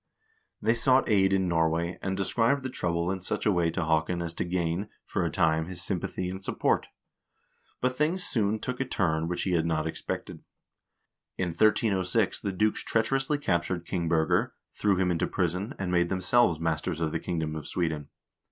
They sought aid in Norway, and described the trouble in such a way to Haakon as to gain, for a time, his sympathy and support. But things soon took a turn which he had not expected. In 1306 the dukes treacherously cap tured King Birger, threw him into prison, and made themselves mas ters of the kingdom of Sweden.